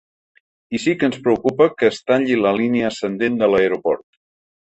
I sí que ens preocupa que es talli la línia ascendent de l’aeroport.